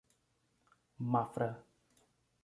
Mafra